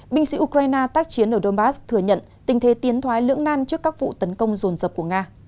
binh sĩ ukraine tác chiến ở dobas thừa nhận tình thế tiến thoái lưỡng nan trước các vụ tấn công rồn rập của nga